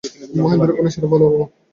মহেন্দ্র ক্ষুণ্নস্বরে বলে, উঃ!